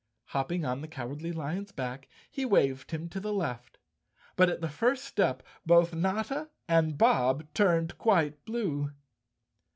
Hopping on the Cowardly Lion's back he waved him to the left, but at the first step both Notta and Bob turned quite blue.